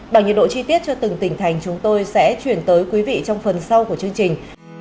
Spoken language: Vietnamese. bằng nhiệt độ chi tiết cho từng tỉnh thành chúng tôi sẽ chuyển tới quý vị trong phần sau của chương trình